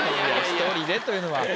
１人でというのは。